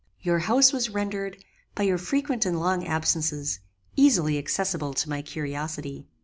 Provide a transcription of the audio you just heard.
"Your house was rendered, by your frequent and long absences, easily accessible to my curiosity.